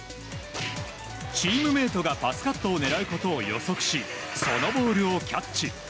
チームメートがパスカットを狙うことを予測しそのボールをキャッチ。